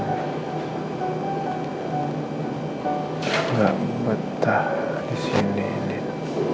enggak betah di sini nin